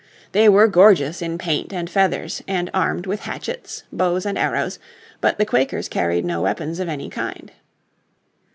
They were gorgeous in paint and feathers, and armed with hatchets, bows and arrows, but the Quakers carried no weapons of any kind.